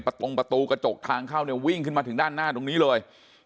ตรงประตูกระจกทางเข้าเนี่ยวิ่งขึ้นมาถึงด้านหน้าตรงนี้เลย